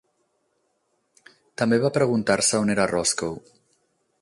També va preguntar-se on era Roscoe.